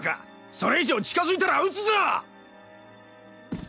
それ以上近づいたら撃つぞ！